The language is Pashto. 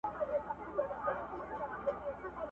د ښوونکي په صفت په افغان ترک